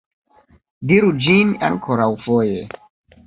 Diru ĝin ankoraŭfoje!